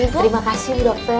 terima kasih bu dokter